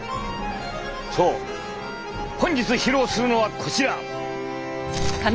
そう本日披露するのはこちら！